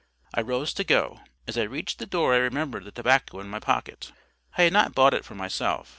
I rose to go. As I reached the door, I remembered the tobacco in my pocket. I had not bought it for myself.